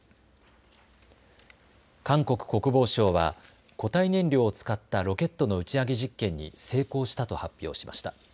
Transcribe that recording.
韓国国防省は固体燃料を使ったロケットの打ち上げ実験に成功したと発表しました。